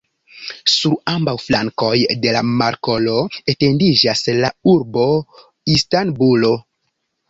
Sur ambaŭ flankoj de la markolo etendiĝas la urbo Istanbulo.